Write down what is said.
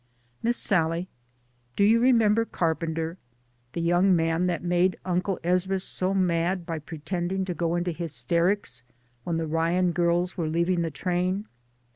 Miss Sallie, do you remember Carpenter? the young man that made Uncle Ezra so mad by pretending to go into hysterics when the Ryan girls were leaving the train?